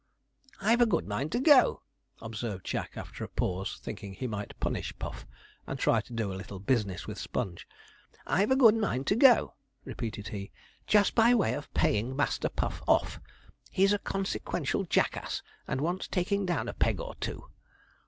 'I've a good mind to go,' observed Jack, after a pause, thinking he might punish Puff, and try to do a little business with Sponge. 'I've a good mind to go,' repeated he; 'just by way of paying Master Puff off. He's a consequential jackass, and wants taking down a peg or two.'